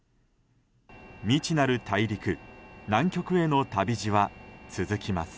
未知なる大陸南極への旅路は続きます。